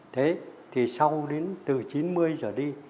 thế thì sau đến từ chín mươi giờ đi